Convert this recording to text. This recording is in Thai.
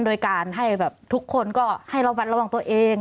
โดยการให้ทุกคนก็ให้ระวังตัวเอง